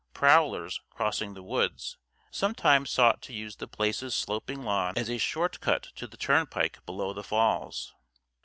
Prowlers, crossing the woods, sometimes sought to use The Place's sloping lawn as a short cut to the turnpike below the falls.